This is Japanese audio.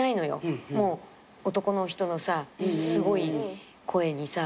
男の人のさすごい声にさ。